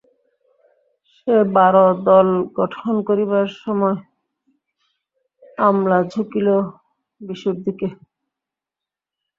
সে-বার দল গঠন করিবার সময় অমলা ঝুঁকিল বিশুর দিকে।